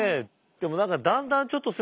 でも何かだんだんちょっとすいません